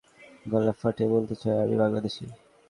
তবে একথা আমি চিৎকার করে, গলা ফাটিয়ে বলতে চাই- আমি বাংলাদেশি।